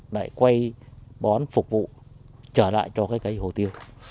để quay bón phục vụ trở lại cho cây hồ tiêu